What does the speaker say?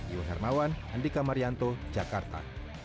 iwan hermawan andika marianto jakarta